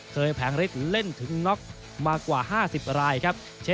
เคยแผงเร็ดเล่นถึงน็อกมากกว่า๕๐รายครับ